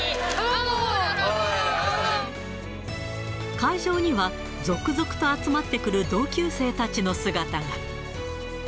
会場には、続々と集まってくる同級生たちの姿が。